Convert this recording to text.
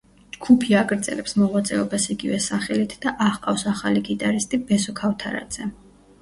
ჯგუფი აგრძელებს მოღვაწეობას იგივე სახელით და აჰყავს ახალი გიტარისტი ბესო ქავთარაძე.